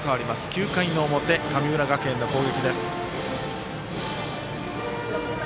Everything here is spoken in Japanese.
９回の表、神村学園の攻撃です。